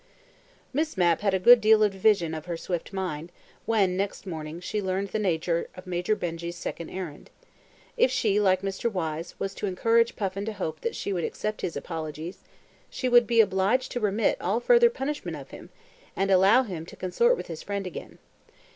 Miss Mapp had a good deal of division of her swift mind, when, next morning, she learned the nature of Major Benjy's second errand. If she, like Mr. Wyse, was to encourage Puffin to hope that she would accept his apologies, she would be obliged to remit all further punishment of him, and allow him to consort with his friend again.